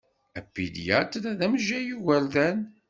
Apidyatr d amejjay n igʷerdan.